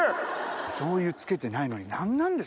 醤油つけてないのに何なんですか？